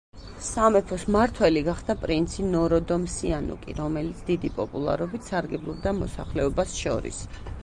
სამეფოს მმართველი გახდა პრინცი ნოროდომ სიანუკი, რომელიც დიდი პოპულარობით სარგებლობდა მოსახლეობას შორის.